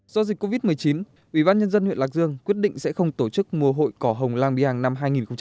do dịch covid một mươi chín ubnd nguyễn lạc dương quyết định sẽ không tổ chức mùa hội cỏ hồng la biang năm hai nghìn hai mươi